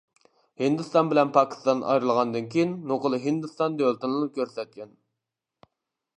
ھىندىستان بىلەن پاكىستان ئايرىلغاندىن كېيىن نوقۇل ھىندىستان دۆلىتىنىلا كۆرسەتكەن.